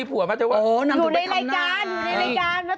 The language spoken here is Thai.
อยู่ในรายการเฮ้ยคำทำอย่างไร